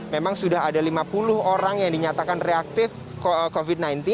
memang sudah ada lima puluh orang yang dinyatakan reaktif covid sembilan belas